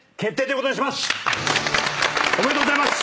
おめでとうございます！